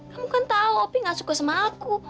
kamu kan tau wopi nggak suka sama aku